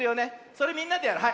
それみんなでやろう。